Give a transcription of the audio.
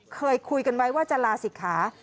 เคยคุยกันไว้ว่าจะลาศิกขา